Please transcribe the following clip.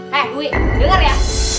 hei dwi dengar ya